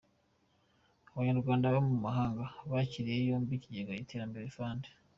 Abanyarwanda baba mu mahanga bakiriye na yombi Ikigega Iterambere Fund.